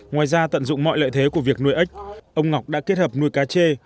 ngoài ra tận dụng mọi lợi thế của việc nuôi ếch ông ngọc đã kết hợp nuôi cá chê